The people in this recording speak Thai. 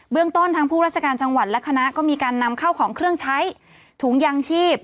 เรื่องต้นทางผู้ราชการจังหวัดและคณะก็มีการนำเข้าของเครื่องใช้ถุงยางชีพ